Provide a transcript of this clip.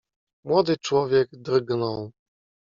"Młody człowiek drgnął."